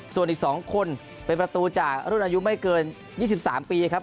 ส่วนอีก๒คนเป็นประตูจากรุ่นอายุไม่เกิน๒๓ปีครับ